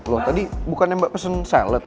loh tadi bukannya mbak pesen salet